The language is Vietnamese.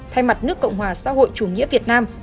thay mặt nước cộng hòa xã hội chủ nghĩa việt nam